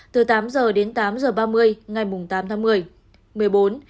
từ tám h đến tám h ba mươi ngày một mươi tháng một mươi